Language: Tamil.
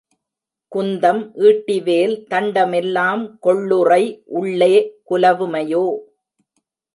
குந்தம் ஈட்டிவேல் தண்ட மெல்லாம் கொள்ளுறை உள்ளே குலவு மையோ!